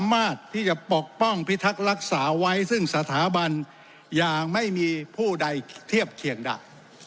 สามารถที่จะปกป้องพิทักษ์รักษาไว้ซึ่งสถาบันอย่างไม่มีผู้ใดเทียบเคียงดัก